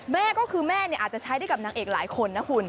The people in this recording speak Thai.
แม่ก็คือแม่อาจจะใช้ได้กับนางเอกหลายคนนะคุณ